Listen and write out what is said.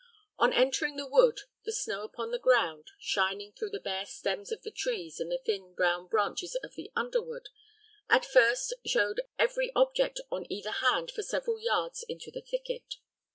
On entering the wood, the snow upon the ground, shining through the bare stems of the trees and the thin, brown branches of the underwood, at first showed every object on either hand for several yards into the thicket.